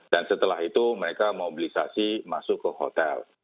dan setelah itu mereka mobilisasi masuk ke hotel